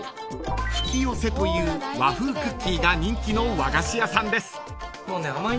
［冨貴寄という和風クッキーが人気の和菓子屋さんです］